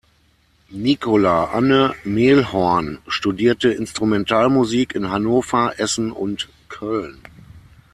Nikola Anne Mehlhorn studierte Instrumentalmusik in Hannover, Essen und Köln.